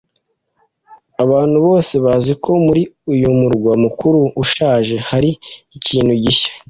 Abantu bose bazi ko muri uyu murwa mukuru ushaje hari ikintu gishya